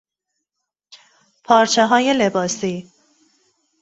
پارچههای لباسی